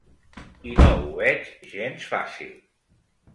I no ho veig gens fàcil.